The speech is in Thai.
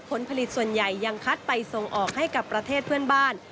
ผลผลิตส่วนใหญ่ยังคัดไปส่งออกให้กับประเทศเพื่อนบ้าน